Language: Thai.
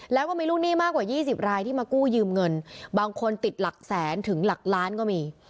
แล้วก็มีลูกหนี้มากกว่า๒๐รายที่มากู้ยืมเงินบางคนติดหลักแสนถึงหลักล้านก็มี